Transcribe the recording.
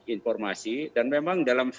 informasi dan memang dalam